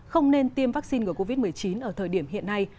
không nên tiêm vaccine ngừa covid một mươi chín ở thời điểm hiện nay